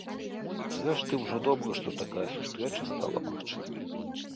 Зрэшты, ужо добра, што такая сустрэча стала магчымай.